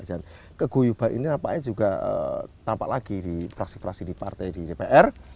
dan kegoyuban ini nampaknya juga tampak lagi di fraksi fraksi di partai di dpr